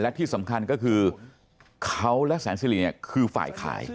และที่สำคัญก็คือเขาและแสนสิริเนี่ยคือฝ่ายขาย